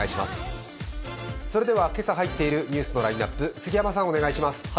それでは、今朝入っているニュースのラインナップ、杉山さん、お願いします。